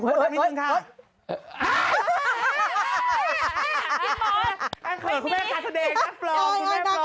กันเผิดคุณแม่การแสดงการเพลงคุณแม่เพลง